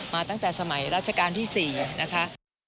ตั้งแต่สมัยราชการที่๔นะคะ